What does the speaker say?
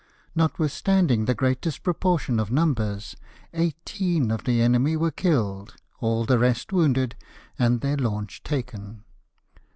Notwithstanding the great dispropor tion of numbers, eighteen of the enemy were killed, all the rest wounded, and their launch taken.